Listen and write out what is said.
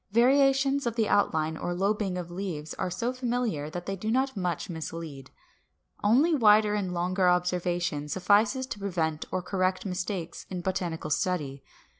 Variations of the outline or lobing of leaves are so familiar that they do not much mislead. Only wider and longer observation suffices to prevent or correct mistakes in botanical study.